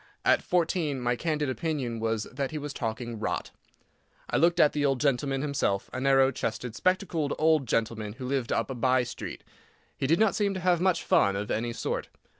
At fourteen my candid opinion was that he was talking "rot." I looked at the old gentleman himself—a narrow chested, spectacled old gentleman, who lived up a by street. He did not seem to have much fun of any sort.